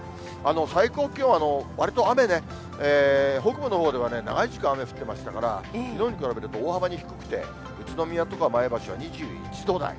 最高気温、わりと雨ね、北部のほうでは長い時間雨降ってましたから、きのうに比べると大幅に低くて、宇都宮とか前橋は２１度台。